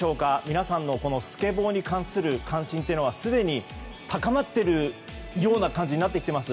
皆さんのスケボーに関する関心というのはすでに高まっているような感じになってきています。